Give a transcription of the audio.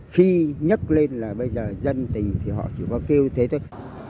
khi nhấc lên là bây giờ dân tình thì họ chỉ vào kêu thế thôi